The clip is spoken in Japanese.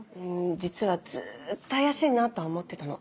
実はずっと怪しいなとは思ってたの。